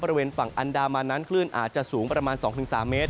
บริเวณฝั่งอันดามันนั้นคลื่นอาจจะสูงประมาณ๒๓เมตร